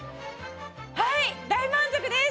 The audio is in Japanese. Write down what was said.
はい大満足です！